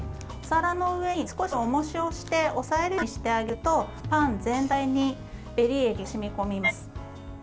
お皿の上に少しおもしをして押さえるようにしてあげるとパン全体にベリー液が染み込みます。